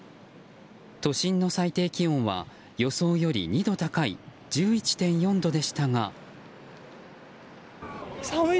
都心の最低気温は予想より２度高い１１．４度でしたが。